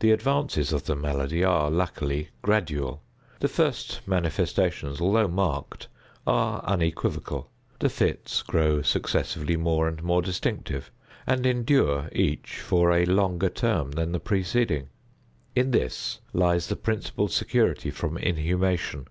The advances of the malady are, luckily, gradual. The first manifestations, although marked, are unequivocal. The fits grow successively more and more distinctive, and endure each for a longer term than the preceding. In this lies the principal security from inhumation.